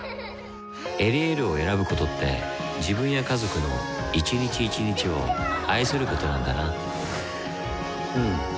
「エリエール」を選ぶことって自分や家族の一日一日を愛することなんだなうん。